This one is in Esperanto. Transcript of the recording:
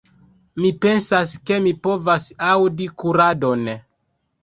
Mi pensas, ke mi povas aŭdi kuradon.